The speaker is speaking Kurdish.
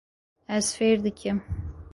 Ez fêr dikim.